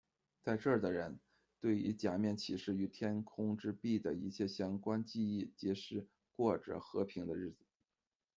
在这的人，对于假面骑士与天空之璧的一切相关记忆皆失，过着和平的日子。